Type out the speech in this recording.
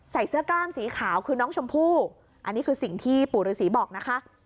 เสื้อกล้ามสีขาวคือน้องชมพู่อันนี้คือสิ่งที่ปู่ฤษีบอกนะคะ